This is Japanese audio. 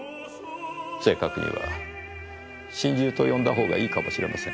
正確には心中と呼んだほうがいいかもしれません。